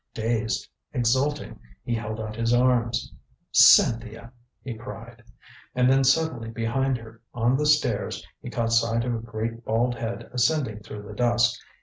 Dazed, exulting, he held out his arms. "Cynthia!" he cried. And then suddenly behind her, on the stairs, he caught sight of a great bald head ascending through the dusk.